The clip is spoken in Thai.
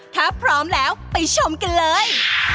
ถ้าพร้อมแล้วไปชมกันเลย